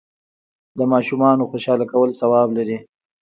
د ماشومانو خوشحاله کول ثواب لري.